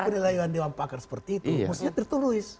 kalau penilaian dewan pakar seperti itu mestinya tertulis